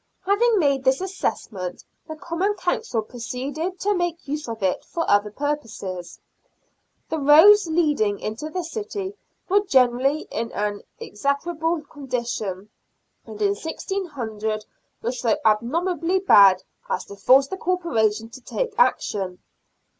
Having made this assessment, the Common Council proceeded to make use of it for other purposes. The roads leading into the city were generally in an execrable 122 SIXTEENTH CENTURY BRISTOL. condition, and in 1600 were so abominably bad as to force the Corporation to take action.